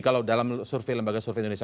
kalau dalam survei lembaga survei indonesia